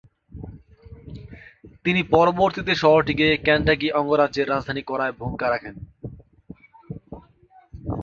তিনি পরবর্তীতে শহরটিকে কেন্টাকি অঙ্গরাজ্যের রাজধানী করায় ভূমিকা রাখেন।